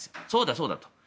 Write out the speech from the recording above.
そうだ、そうだと。